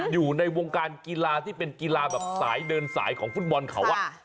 อยู่ในวงการกีฬาที่เป็นกีฬาแบบสายเดินสายของฟุตบอลเขา